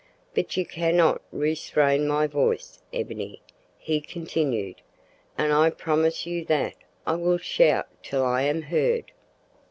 "But you cannot restrain my voice, Ebony," he continued, "and I promise you that I will shout till I am heard."